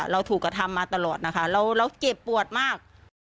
เราถูกกระทำมาตลอดนะคะเราเจ็บปวดมาก